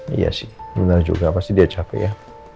iya sih benar juga pasti dia capek ya